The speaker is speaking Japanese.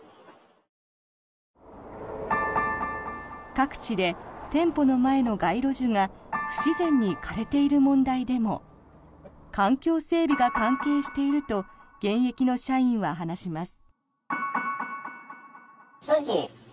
各地で店舗の前の街路樹が不自然に枯れている問題でも環境整備が関係していると現役の社員は話します。